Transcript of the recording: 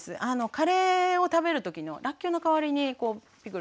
カレーを食べる時のらっきょうの代わりにピクルス